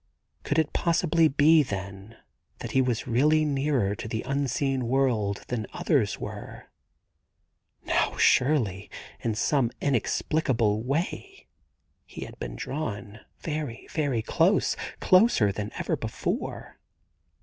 Could it possibly be, then, that he was really nearer to the unseen world than others were ? Now, surely, in some inexplicable way he had been drawn very very close — closer than ever before.